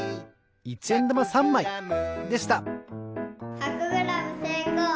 １００グラムせいこう！